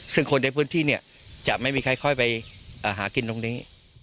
ซึ่งคนในพื้นที่เนี่ยจะไม่มีใครค่อยไปหากินตรงนี้